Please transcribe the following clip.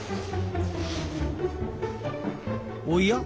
おや？